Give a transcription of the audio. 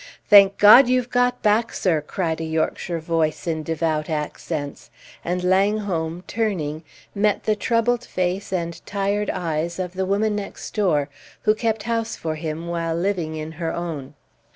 "Thank God you've got back, sir!" cried a Yorkshire voice in devout accents; and Langholm, turning, met the troubled face and tired eyes of the woman next door, who kept house for him while living in her own.